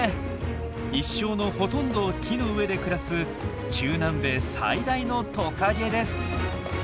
一生のほとんどを木の上で暮らす中南米最大のトカゲです。